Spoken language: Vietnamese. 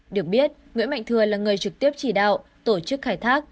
được biết nguyễn mạnh thừa là người trực tiếp chỉ đạo tổ chức khai thác